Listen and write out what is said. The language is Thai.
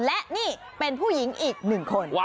และนี่เป็นผู้หญิงอีกหนึ่งคน